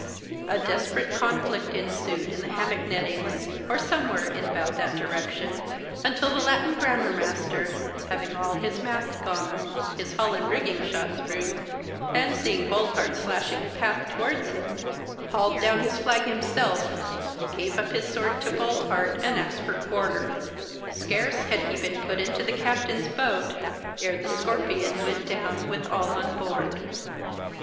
A desperate conflict ensued in the hammock nettings,—or somewhere in about that direction,—until the Latin grammar master, having all his masts gone, his hull and rigging shot through, and seeing Boldheart slashing a path towards him, hauled down his flag himself, gave up his sword to Boldheart, and asked for quarter. Scarce had he been put into the captain's boat, ere 'The Scorpion' went down with all on board.